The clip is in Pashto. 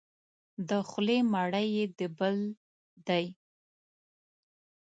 د خولې مړی یې د بل دی.